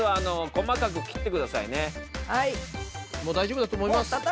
もう大丈夫だと思います。